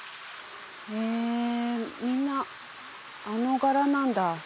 へぇみんなあの柄なんだ。